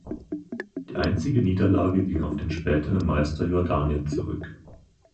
Die einzige Niederlage ging auf den späteren Meister Jordanien zurück.